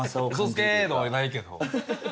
嘘つけとかやないけど。